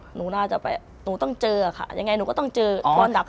หนูน่าจะไปหนูต้องเจอค่ะยังไงหนูก็ต้องเจอโทรศัพท์